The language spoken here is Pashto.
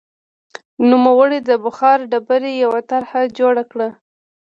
نوموړي د بخار ډبې یوه طرحه جوړه کړه.